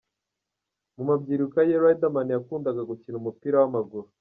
Mu mabyiruka ye, Riderman yakundaga gukina umupira w’amaguru.